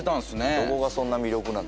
どこがそんな魅力なんですか？